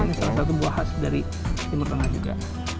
ini salah satu buah khas dari timur tengah juga